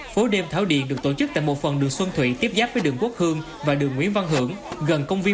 phố đêm thảo điền được kỳ vọng góp phần phát triển văn hóa du lịch và thương mại